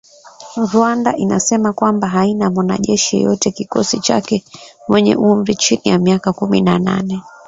Rwanda inasema kwamba “haina mwanajeshi yeyote kikosi chake mwenye umri chini ya miaka kumi na nane"